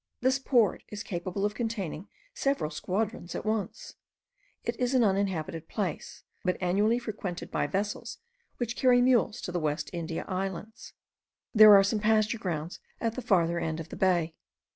This port is capable of containing several squadrons at once. It is an uninhabited place, but annually frequented by vessels, which carry mules to the West India Islands. There are some pasture grounds at the farther end of the bay.